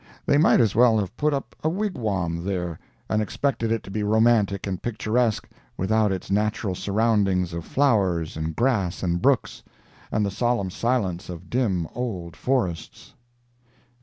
They might as well have put up a wigwam there, and expected it to be romantic and picturesque without its natural surroundings of flowers and grass and brooks, and the solemn silence of dim old forests.